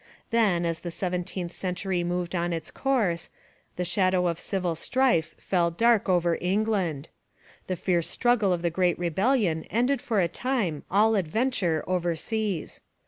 Then, as the seventeenth century moved on its course, the shadow of civil strife fell dark over England. The fierce struggle of the Great Rebellion ended for a time all adventure overseas.